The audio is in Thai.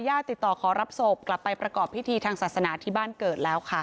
ติดต่อขอรับศพกลับไปประกอบพิธีทางศาสนาที่บ้านเกิดแล้วค่ะ